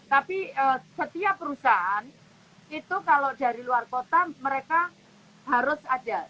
tapi setiap perusahaan itu kalau dari luar kota mereka harus ada